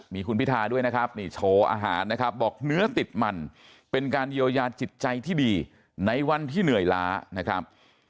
มีคุณพิธาด้วยนะครับนี่โชว์อาหารนะครับบอกเนื้อติดมันเป็นการเยียวยาจิตใจที่ดีในวันที่เหนื่อยล้านะครับ